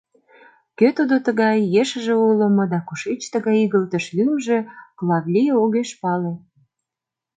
Кӧ тудо тугай, ешыже уло мо да кушеч тыгай игылтыш лӱмжӧ, Клавий огеш пале.